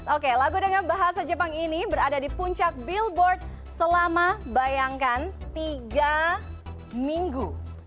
oke lagu dengan bahasa jepang ini berada di puncak billboard selama bayangkan tiga minggu